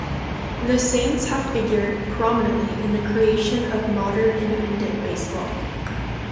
The Saints have figured prominently in the creation of modern independent baseball.